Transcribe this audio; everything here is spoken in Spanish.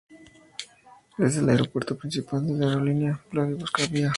Es el aeropuerto principal de la aerolínea Vladivostok Avia.